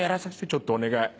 ちょっとお願い。